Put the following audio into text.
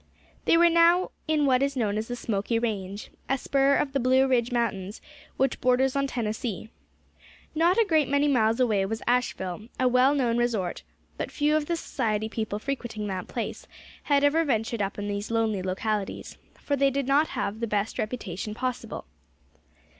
They were now in what is known as the Smoky Range, a spur of the Blue Ridge Mountains, which borders on Tennessee. Not a great many miles away was Asheville, a well known resort; but few of the society people frequenting that place had ever ventured up in these lonely localities; for they did not have the best reputation possible.